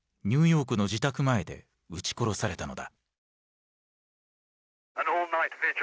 ニューヨークの自宅前で撃ち殺されたのだ。